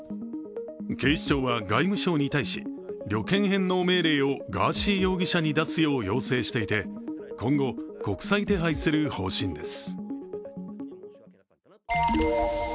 警視庁は外務省に対し旅券返納命令をガーシー容疑者に出すよう要請していて今後、国際手配する方針です。